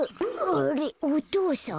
あれっお父さん。